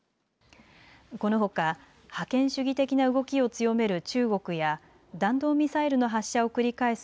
このほか覇権主義的な動きを強める中国や弾道ミサイルの発射を繰り返す